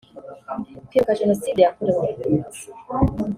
kwibuka Jenoside yakorewe abatutsi